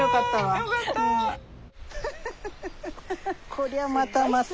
こりゃまたまた。